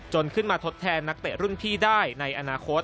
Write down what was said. ขึ้นมาทดแทนนักเตะรุ่นพี่ได้ในอนาคต